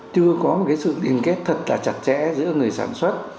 chưa có một sự liên kết thật là chặt chẽ giữa người sản xuất